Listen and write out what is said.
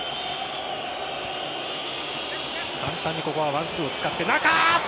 簡単にワンツーを使って中！